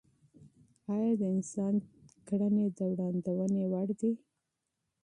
آیا د انسان چلند د وړاندوینې وړ دی؟